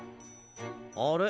あれ？